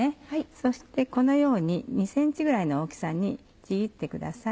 そしてこのように２ｃｍぐらいの大きさにちぎってください。